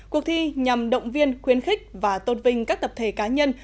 cuộc thi nhằm động viên khuyến khích và tôn vinh các tập thể cá nhân